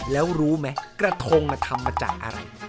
แล้วรู้ไหมกระทงทำมาจากอะไร